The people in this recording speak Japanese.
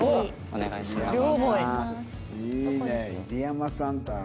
お願いします。